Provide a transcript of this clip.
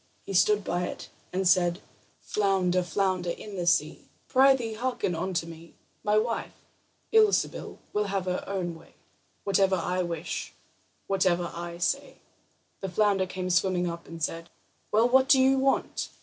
He stood by it and said: "Flounder, flounder in the sea, Prythee, hearken unto me: My wife, Ilsebil, will have her own way Whatever I wish, whatever I say." The flounder came swimming up, and said: "Well, what do you want?"